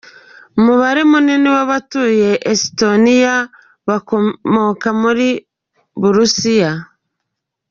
Umubare munini w’abatuye Estoniya bakomoka mu Burusiya.